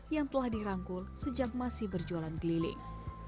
yang telah dirangkul sejak masih berjualan keliling